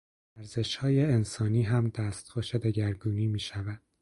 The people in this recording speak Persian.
ارزشهای انسانی هم دستخوش دگرگونی میشود.